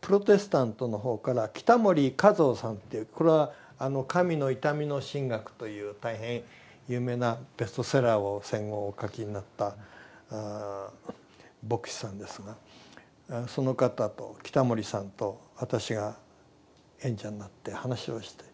プロテスタントの方から北森嘉蔵さんというこれは「神の痛みの神学」という大変有名なベストセラーを戦後お書きになった牧師さんですがその方と北森さんと私が演者になって話をして。